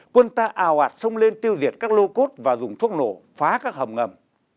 quân ta ào ạt sông lên tiêu diệt các lô cốt và dùng thuốc nổ phá các hầm ngầm